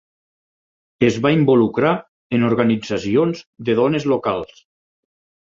Es va involucrar en organitzacions de dones locals.